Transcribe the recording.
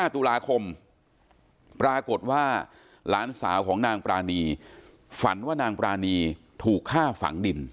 ตุลาคมปรากฏว่าหลานสาวของนางปรานีฝันว่านางปรานีถูกฆ่าฝังดิน